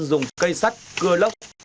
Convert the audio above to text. dùng cây sắt cưa lốc